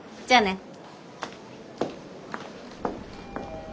じゃあね。